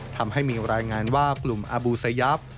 ทำให้มีรายงานว่ากลุ่มอบูซายับ